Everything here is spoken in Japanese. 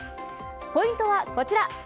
ポイントはこちら。